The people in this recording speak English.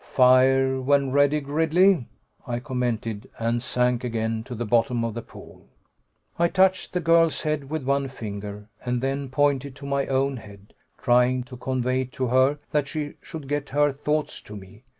"Fire when ready, Gridley," I commented, and sank again to the bottom of the pool. I touched the girl's head with one finger, and then pointed to my own head, trying to convey to her that she could get her thoughts to me.